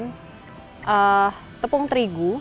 kita akan campurkan tepung terigu